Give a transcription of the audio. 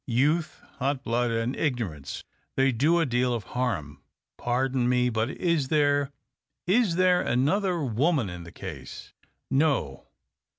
Youth, hot blood, and ignorance — they do a deal of harm. Pardon me, but is there — is there another woman in the case ?"" No."